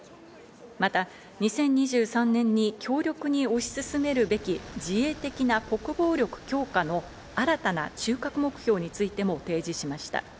また、２０２３年に強力に推し進めるべき自衛的な国防力強化の新たな中核目標についても提示しました。